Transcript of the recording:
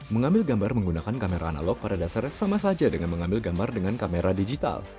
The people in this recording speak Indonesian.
mengambil gambar menggunakan kamera analog pada dasarnya sama saja dengan mengambil gambar dengan kamera digital